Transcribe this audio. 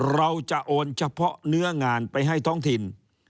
เราจะโอนเฉพาะเนื้องานไปให้ท้องถิ่น